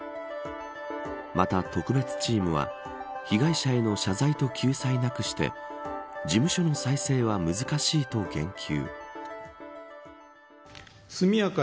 また、特別チームは被害者への謝罪と救済なくして事務所の再生は難しいと言及。